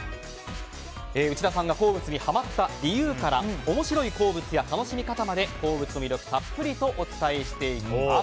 内田さんが鉱物にハマった理由から面白い鉱物や楽しみ方まで鉱物の魅力をたっぷりとお伝えしていきます。